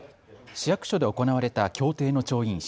市役所で行われた協定の調印式。